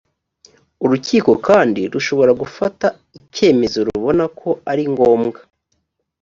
urukiko kandi rushobora gufata icyemezo rubona ko ari ngombwa